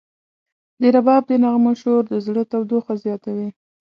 د رباب د نغمو شور د زړه تودوخه زیاتوي.